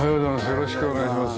よろしくお願いします。